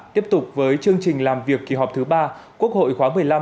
tiếp tục với chương trình làm việc kỳ họp thứ ba quốc hội khóa một mươi năm